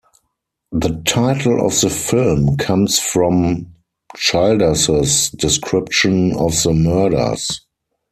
The title of the film comes from Childers's description of the murders.